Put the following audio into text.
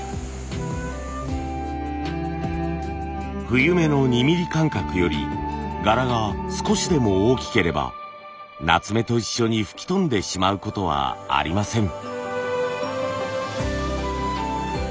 冬目の２ミリ間隔より柄が少しでも大きければ夏目と一緒に吹き飛んでしまうことはありません。